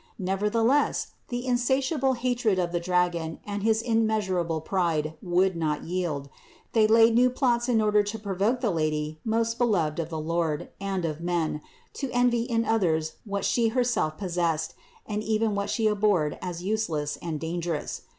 Nevertheless the insatiate hatred of the dragon and his inmeasurable pride would not yield; they laid new plots in order to provoke the Lady most beloved of the Lord and of men to envy in others what She Herself possessed and even what She abhorred as useless and dangerous.